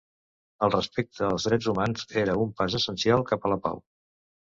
El respecte als drets humans era un pas essencial cap a la pau.